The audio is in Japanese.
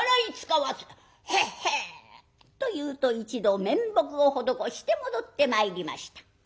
「ははっ」というと一同面目を施して戻ってまいりました。